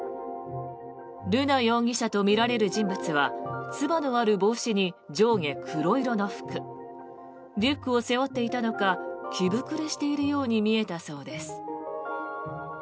瑠奈容疑者とみられる人物はつばのある帽子に上下黒色の服リュックを背負っていたのか着膨れしているように見えたそうです。